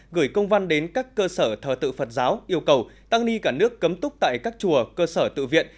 gửi công văn đến các cơ sở thờ tự phật giáo yêu cầu tăng ni cả nước cấm túc tại các chùa cơ sở tự viện